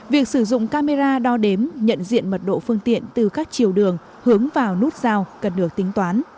việc sử dụng camera đo đếm nhận diện mật độ phương tiện từ các chiều đường hướng vào nút giao cần được tính toán